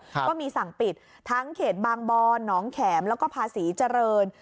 ก็มีสั่งปิดทั้งเขตบางบอนหนองแข็มแล้วก็ภาษีเจริญ